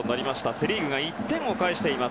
セ・リーグが１点を返しています。